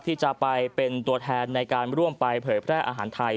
ที่จะไปเป็นตัวแทนในการร่วมไปเผยแพร่อาหารไทย